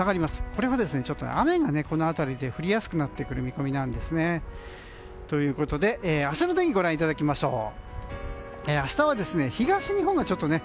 これは雨がこの辺りで降りやすくなる見込みなんです。ということで、明日の天気をご覧いただきましょう。